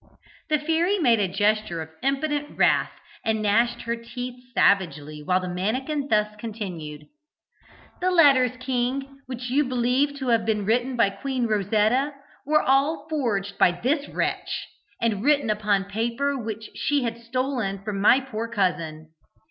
The fairy made a gesture of impotent wrath, and gnashed her teeth savagely while the mannikin thus continued: "The letters, king, which you believed to have been written by Queen Rosetta, were all forged by this wretch, and written upon paper which she had stolen from my poor cousin.